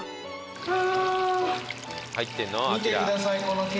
はあ！